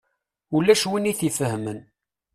Ulac win i t-ifehmen.